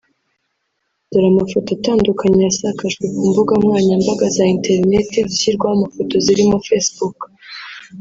Dore amafoto atandukanye yasakajwe ku mbuga nkoranyambaga za interinete zishyirwaho amafoto zirimo Facebook